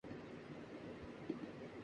پی کر جام فرقت ہم جا رہے ہیں